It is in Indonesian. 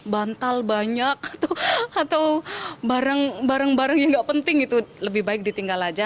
bantal banyak atau barang barang yang nggak penting gitu lebih baik ditinggal aja